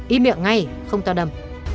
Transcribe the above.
ý miệng ngay không to đầm